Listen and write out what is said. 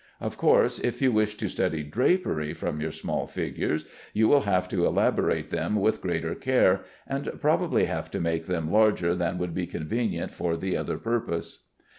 Of course, if you wish to study drapery from your small figures, you will have to elaborate them with greater care, and probably have to make them larger than would be convenient for the other purpose.